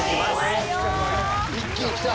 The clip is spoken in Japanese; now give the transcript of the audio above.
一気にきた。